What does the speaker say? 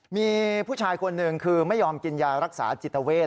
มีผู้ชายคนหนึ่งคือไม่ยอมกินยารักษาจิตเวท